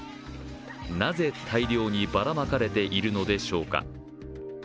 なぜ、大量にばらまかれているのでしょうか。